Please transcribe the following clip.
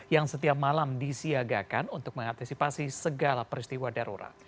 yang setiap malam disiagakan untuk mengantisipasi segala peristiwa darurat